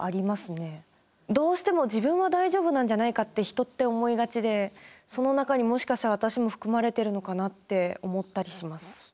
どうしても自分は大丈夫なんじゃないかって人って思いがちでその中にもしかしたら私も含まれてるのかなって思ったりします。